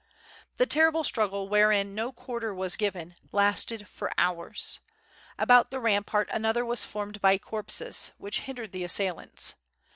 The terrible struggle wherein no quarter was given lasted for hours. About tRe rampart another was formed by corpses, which hindered the assailants.